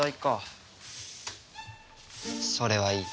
それはいい。